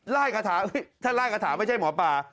ล่ายกระถาถ้าล่ายกระถาไม่ใช่หมอปลา